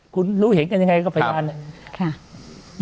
คุณรู้เห็นกันยังไงก็พยานเนี่ย